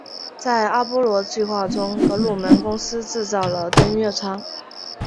在阿波罗计划中格鲁门公司制造了登月舱。